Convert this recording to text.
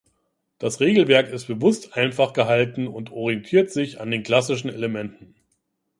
Das Regelwerk ist bewusst einfach gehalten und orientiert sich an den klassischen Elementen.